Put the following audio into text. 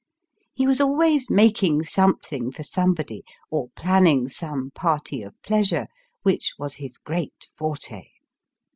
He was always making something for somebody, or planning some party of pleasure, which was his great forte.